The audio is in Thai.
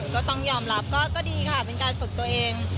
ก็ต้องยอมรับก็ดีค่ะเป็นการฝึกตัวเอง